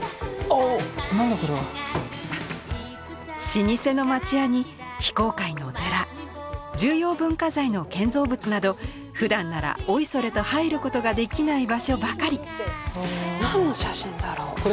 老舗の町家に非公開のお寺重要文化財の建造物などふだんならおいそれと入ることができない場所ばかり。